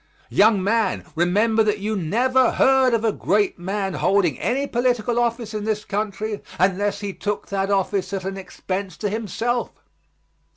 Young man, remember that you never heard of a great man holding any political office in this country unless he took that office at an expense to himself.